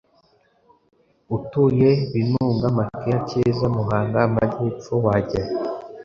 utuye binunga makera cyeza muhanga amajyepfo wajyahe